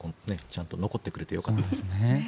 ちゃんと残ってくれてよかったです。